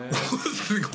すごい。